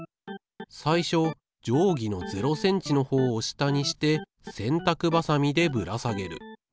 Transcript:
最初定規の０ｃｍのほうを下にして洗濯バサミでぶら下げる。